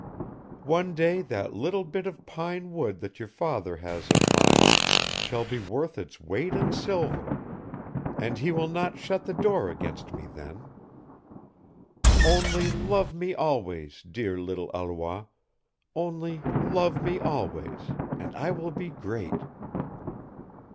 One day that little bit of pine wood that your father has of mine shall be worth its weight in silver; and he will not shut the door against me then. Only love me always, dear little Alois, only love me always, and I will be great."